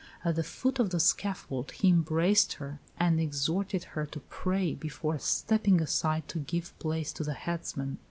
At the foot of the scaffold he embraced her, and exhorted her to pray, before stepping aside to give place to the headsman.